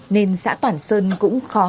nên xã toản sơn cũng khó